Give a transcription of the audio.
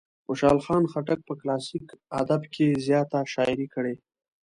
خوشال خان خټک په کلاسیک ادب کې زیاته شاعري کړې.